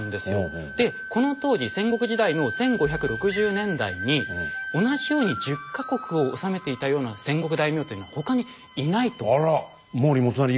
でこの当時戦国時代の１５６０年代に同じように１０か国を治めていたような戦国大名というのは他にいないと。